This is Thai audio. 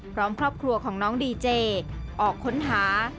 พร้อมครอบครัวของน้องดีเจออกค้นหา